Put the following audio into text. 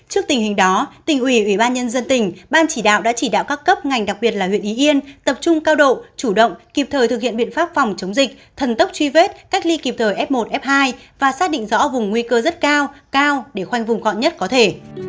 trước tình hình đó tỉnh ủy ủy ban nhân dân tỉnh ban chỉ đạo đã chỉ đạo các cấp ngành đặc biệt là huyện y yên tập trung cao độ chủ động kịp thời thực hiện biện pháp phòng chống dịch thần tốc truy vết cách ly kịp thời f một f hai và xác định rõ vùng nguy cơ rất cao cao để khoanh vùng gọn nhất có thể